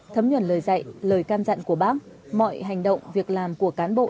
thấm nhuận lời dạy lời cam dặn của bác mọi hành động việc làm của cán bộ